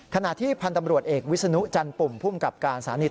ขณะที่พันธ์ตำรวจเอกวิศนุจันปุ่มภูมิกับการสถานี